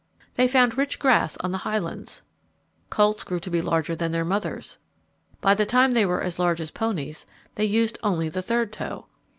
They found rich grass on the highlands. Colts grew to be larger than their mothers. By the time they were as large as ponies they used only the third toe.